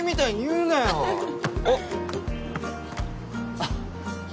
あっ。